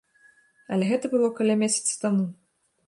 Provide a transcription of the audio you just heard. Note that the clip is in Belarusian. Але гэта было каля месяца таму.